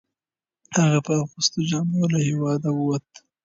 هغه په اغوستو جامو کې له هیواده وووت.